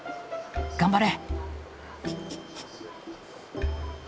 頑張れ！